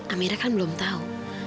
amira kan belum tahu